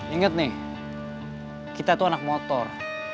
ingat nih kita itu anak motor